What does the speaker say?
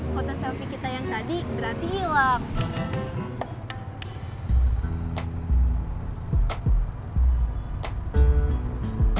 foto selfie kita yang tadi berarti hilang